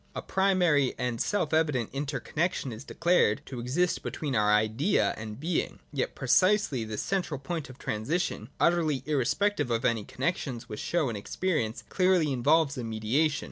A primary and self evident inter connexion is declared to exist between our Idea and being. Yet precisely this central point of transi tion, utterly irrespective of any connexions which show in experience, clearly involves a mediation.